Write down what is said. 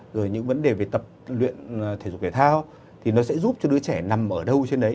rồi những vấn đề về tập luyện thể dục thể thao thì nó sẽ giúp cho đứa trẻ nằm ở đâu trên đấy